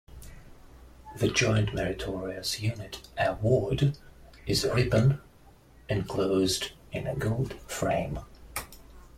The Joint Meritorious Unit Award is a ribbon, enclosed in a gold frame.